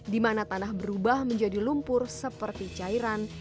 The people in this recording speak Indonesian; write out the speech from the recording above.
di mana tanah berubah menjadi lumpur seperti cairan